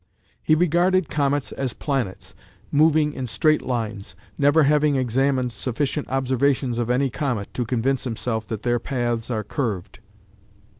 He regarded comets as "planets" moving in straight lines, never having examined sufficient observations of any comet to convince himself that their paths are curved.